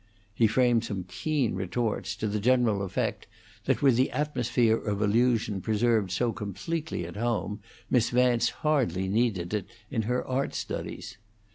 He framed some keen retorts, to the general effect that with the atmosphere of illusion preserved so completely at home, Miss Vance hardly needed it in her art studies.